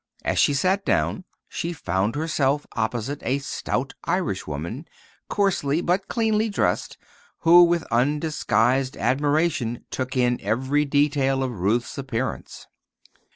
As she sat down, she found herself opposite a stout Irishwoman, coarsely but cleanly dressed, who with undisguised admiration took in every detail of Ruth's appearance.